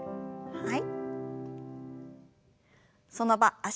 はい。